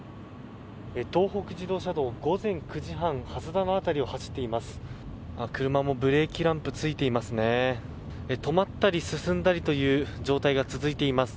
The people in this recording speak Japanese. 東北自動車道、午前９時半蓮田の辺りを走っています。